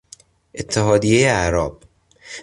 اتحادیهی اعراب